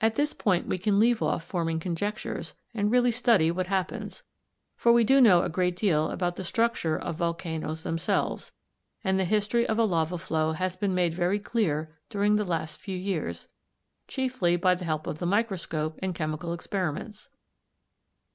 At this point we can leave off forming conjectures and really study what happens; for we do know a great deal about the structure of volcanoes themselves, and the history of a lava flow has been made very clear during the last few years, chiefly by the help of the microscope and chemical experiments.